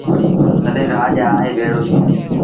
تڏهيݩ رآڄ آئي ڀيڙو ٿيو۔